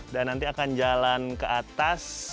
dan nanti akan jalan ke atas